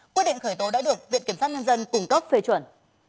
quyết định khởi tố đã được viện kiểm sát nhân dân cung cấp phê chuẩn